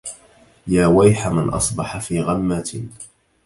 يا ويح من أصبح في غمة